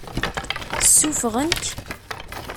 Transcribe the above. Ssuffɣen-k?